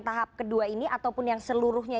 tahap kedua ini ataupun yang seluruhnya